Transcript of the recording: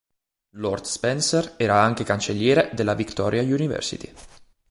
Lord Spencer era anche cancelliere della Victoria University.